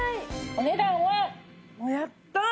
お値段はやった！